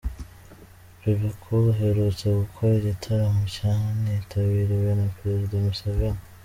Bebe Cool aherutse gukora igitaramo cyanitabiriwe na Perezida Museveni.